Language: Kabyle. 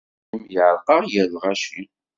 Jim yeɛreq-aɣ gar lɣaci.